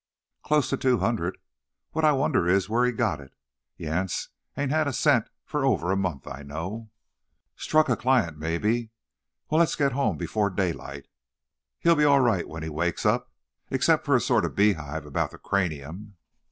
"Close to two hundred. What I wonder is whar he got it. Yance ain't had a cent fur over a month, I know." "Struck a client, maybe. Well, let's get home before daylight. He'll be all right when he wakes up, except for a sort of beehive about the cranium."